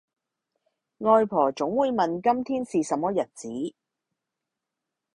外婆總會問今天是什麼日子？